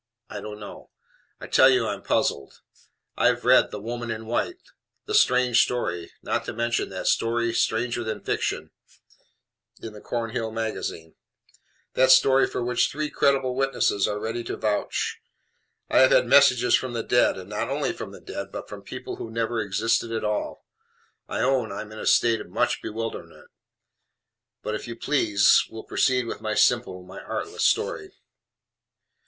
I don't know. I tell you I am puzzled. I have read "The Woman in White," "The Strange Story" not to mention that story "Stranger than Fiction" in the Cornhill Magazine that story for which THREE credible witnesses are ready to vouch. I have had messages from the dead; and not only from the dead, but from people who never existed at all. I own I am in a state of much bewilderment: but, if you please, will proceed with my simple, my artless story.